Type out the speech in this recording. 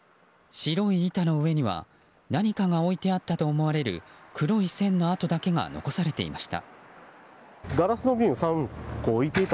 白い板の上には何かが置いてあったと思われる黒い線の跡だけが残されていました。